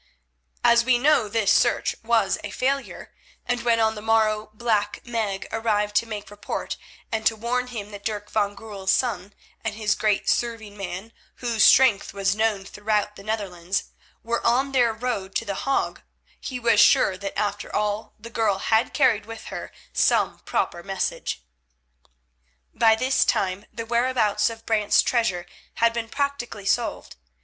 As we know this search was a failure, and when on the morrow Black Meg arrived to make report and to warn him that Dirk van Goorl's son and his great serving man, whose strength was known throughout the Netherlands, were on their road to The Hague, he was sure that after all the girl had carried with her some paper or message. By this time the whereabouts of Brant's treasure had been practically solved.